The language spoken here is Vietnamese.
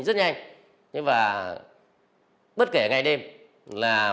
xin chào và hẹn gặp lại